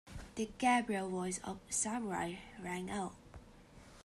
The Gabriel voice of the Samurai rang out.